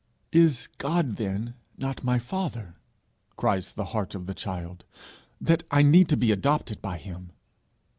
'Is God then not my Father,' cries the heart of the child, 'that I need to be adopted by him?